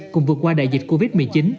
cùng vượt qua đại dịch covid một mươi chín